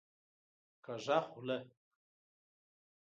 کږه خوله